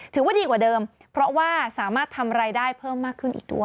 ถือว่าดีกว่าเดิมเพราะว่าสามารถทำรายได้เพิ่มมากขึ้นอีกด้วย